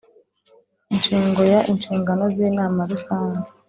Ingingo ya Inshingano z Inama Rusange